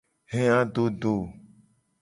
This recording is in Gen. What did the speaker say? He adodo.